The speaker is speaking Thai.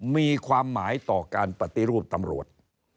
มีความหมายต่อการปฏิรูปตำรวจ